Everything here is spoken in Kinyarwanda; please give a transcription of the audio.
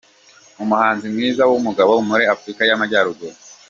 Umuhanzi mwiza w’umugabo muri Afurika y’Amajyaruguru.